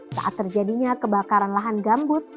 saat terjadinya kebakaran lahan gambut